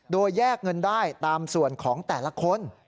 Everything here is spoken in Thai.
โดยแยกเงินได้ตามส่วนของแต่ละคน